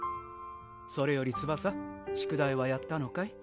それよりツバサ宿題はやったのかい？